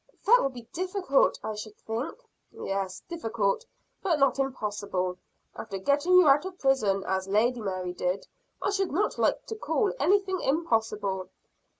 "That will be difficult, I should think." "Yes, difficult, but not impossible. After getting you out of prison, as Lady Mary did, I should not like to call anything impossible."